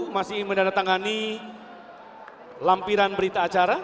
masih menandatangani lampiran berita acara